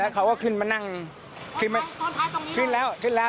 เขาก็ขึ้นมานั่งขึ้นมาขึ้นแล้วขึ้นแล้ว